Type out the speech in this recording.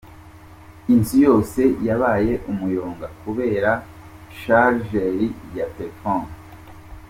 Inzu yose yabaye umuyonga kubera Chargeur ya telefoni.